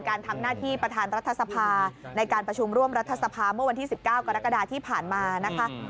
การทำหน้าที่ประธานรัฐสภาในการประชุมร่วมรัฐสภาเมื่อวันที่๑๙กรกฎาที่ผ่านมานะคะ